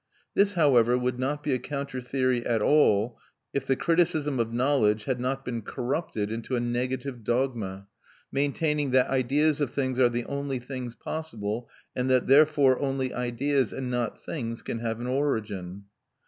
This, however, would not be a counter theory at all if the criticism of knowledge had not been corrupted into a negative dogma, maintaining that ideas of things are the only things possible and that therefore only ideas and not things can have an origin.